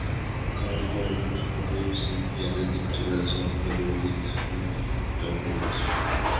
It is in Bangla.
কারণ করোনা হয়তো সিভিআরের দিকে চলে যাচ্ছে অথবা রোগীর সিমটম রয়েছে।